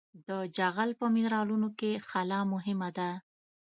د جغل په منرالونو کې خلا مهمه ده